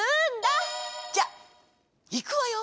じゃいくわよ！